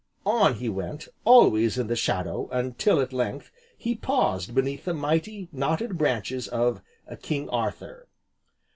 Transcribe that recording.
On he went, always in the shadow until, at length, he paused beneath the mighty, knotted branches of "King Arthur."